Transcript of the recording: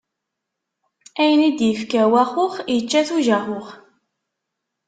Ayen d-ifka waxux, ičča-t ujaxux.